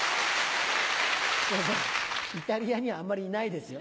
イタリアにはあんまりいないですよ。